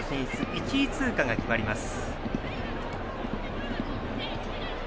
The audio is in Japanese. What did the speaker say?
１位通過が決まります。